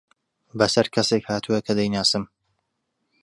بەسەر کەسێک هاتووە کە دەیناسم.